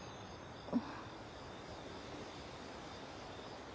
あっ。